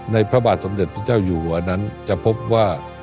พระบาทสมเด็จพระเจ้าอยู่หัวนั้นจะพบว่า